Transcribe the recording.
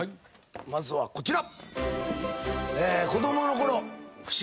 まずはこちら。